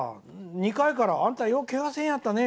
２階から、あんたようけがせんやったね。